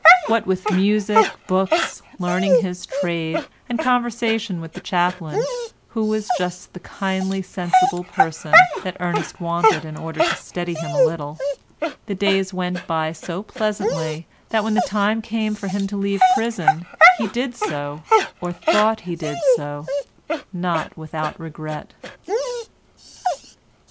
What with music, books, learning his trade, and conversation with the chaplain, who was just the kindly, sensible person that Ernest wanted in order to steady him a little, the days went by so pleasantly that when the time came for him to leave prison, he did so, or thought he did so, not without regret.